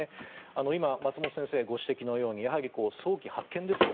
今、松本先生ご指摘のように早期発見ですよ。